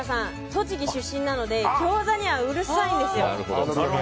栃木出身なのでギョーザにはうるさいんですよ。